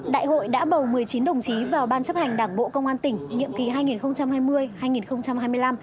đại hội đã bầu một mươi chín đồng chí vào ban chấp hành đảng bộ công an tỉnh nhiệm kỳ hai nghìn hai mươi hai nghìn hai mươi năm